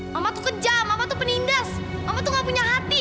mama tuh kejam mama tuh penindas mama tuh gak punya hati